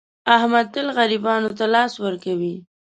احمد تل غریبانو ته لاس ور کوي.